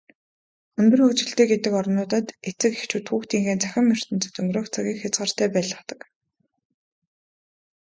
Өндөр хөгжилтэй гэгддэг орнуудад эцэг эхчүүд хүүхдүүдийнхээ цахим ертөнцөд өнгөрөөх цагийг хязгаартай байлгадаг.